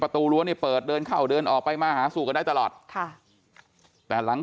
ประตูรั้วนี่เปิดเดินเข้าเดินออกไปมาหาสู่กันได้ตลอดค่ะแต่หลัง